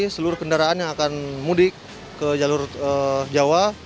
seluruh kendaraan yang akan mudik ke jalur jawa